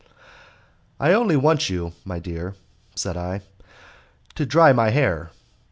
"I only want you, my dear," said I, "to dry my hair."